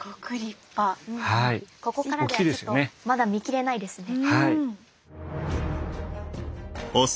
ここからじゃちょっとまだ見きれないですね。